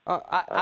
ah artinya apa